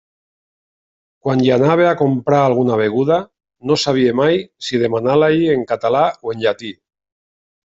Quan hi anava a comprar alguna beguda, no sabia mai si demanar-la-hi en català o en llatí.